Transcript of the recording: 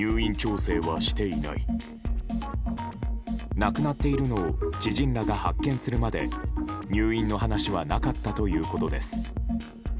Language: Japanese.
亡くなっているのを知人らが発見するまで入院の話はなかったということです。